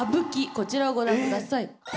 こちらをご覧下さい。